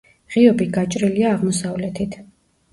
ღიობი გაჭრილია აღმოსავლეთით.